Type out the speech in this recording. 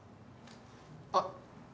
あっ。